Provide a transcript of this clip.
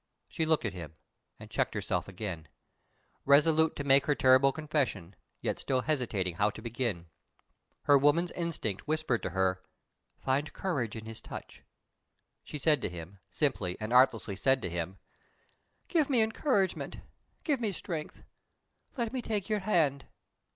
She looked at him, and checked herself again; resolute to make her terrible confession, yet still hesitating how to begin. Her woman's instinct whispered to her, "Find courage in his touch!" She said to him, simply and artlessly said to him, "Give me encouragement. Give me strength. Let me take your hand."